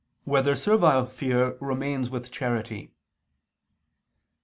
6] Whether Servile Fear Remains with Charity?